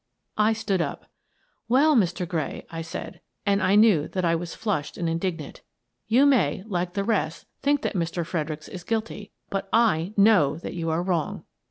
I stood up. "Well, Mr. Gray," I said, — and I knew that I was flushed and indignant, — "you may, like the rest, think that Mr. Fredericks is guilty, but I know that you are wrong."